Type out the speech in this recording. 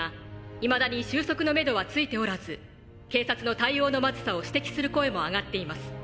いまだに終息のめどはついておらず警察の対応のまずさを指摘する声も上がっています。